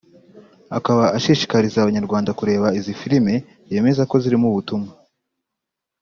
akaba ashishikariza Abanyarwanda kureba izi filime yemeza ko zirimo ubutumwa